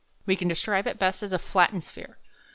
We can describe it best as a flattened sphere.